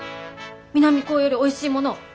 南高よりおいしいもの